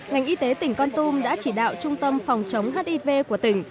ngành y tế tỉnh con tum đã chỉ đạo trung tâm phòng chống hiv của tỉnh